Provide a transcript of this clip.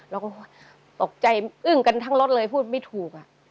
แล้วก็ตกใจอึ้งกันทั้งรถเลยพูดไม่ถูก